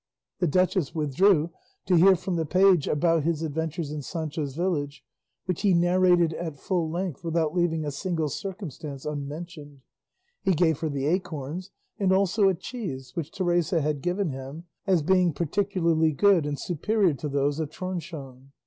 The duchess withdrew to hear from the page about his adventures in Sancho's village, which he narrated at full length without leaving a single circumstance unmentioned. He gave her the acorns, and also a cheese which Teresa had given him as being particularly good and superior to those of Tronchon.